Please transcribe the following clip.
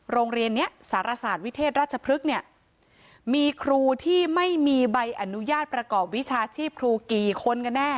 โรงเรียนนี้สารศาสตร์วิเทศราชพฤกษ์เนี่ยมีครูที่ไม่มีใบอนุญาตประกอบวิชาชีพครูกี่คนกันแน่